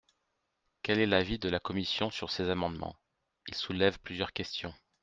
Quel est l’avis de la commission sur ces amendements ? Ils soulèvent plusieurs questions.